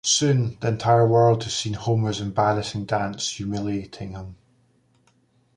Soon, the entire world has seen Homer's embarrassing dance, humiliating him.